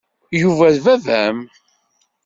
Yuba d baba-m.